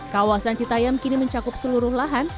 kawasan citayam kini mencakup seluruh lahan